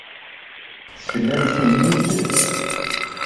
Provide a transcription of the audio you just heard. Teslamt-iyi-d.